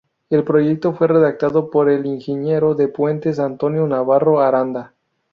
El proyecto fue redactado por el ingeniero de puentes Antonio Navarro Aranda.